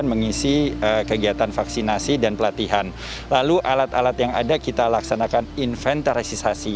pada waktu yang ada kita laksanakan inventarisasi